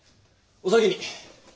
お先に。